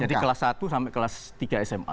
jadi kelas satu sampai kelas tiga sma